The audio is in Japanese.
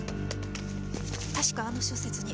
確かあの小説に。